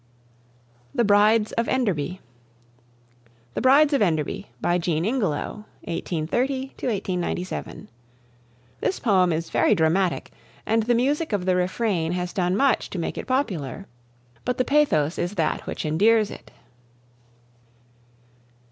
THE BRIDES OF ENDERBY. "The Brides of Enderby," by Jean Ingelow (1830 97). This poem is very dramatic, and the music of the refrain has done much to make it popular. But the pathos is that which endears it.